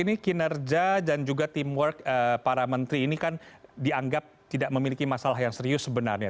ini kinerja dan juga teamwork para menteri ini kan dianggap tidak memiliki masalah yang serius sebenarnya